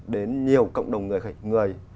đến nhiều cộng đồng người